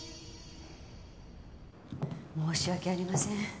申し訳ありません。